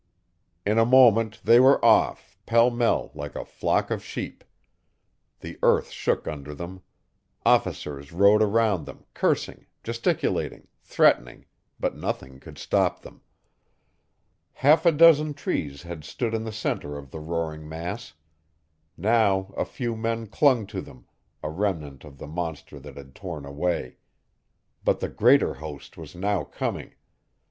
In a moment they were off, pell mell, like a flock of sheep. The earth shook under them. Officers rode around them, cursing, gesticulating, threatening, but nothing could stop them. Half a dozen trees had stood in the centre of the roaring mass. Now a few men clung to them a remnant of the monster that had torn away. But the greater host was now coming.